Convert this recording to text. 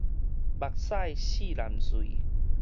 目屎四淋垂